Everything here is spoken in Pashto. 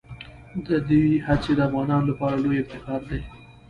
د دوی هڅې د افغانانو لپاره لویه افتخار دي.